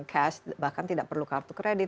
cash bahkan tidak perlu kartu kredit